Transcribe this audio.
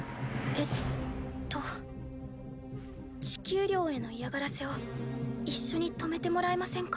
えっと地球寮への嫌がらせを一緒に止めてもらえませんか？